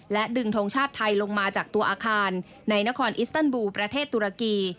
ดึงทงชาติไทยลงมาจากตัวอาคารในนครอิสเติลบูประเทศตุรกี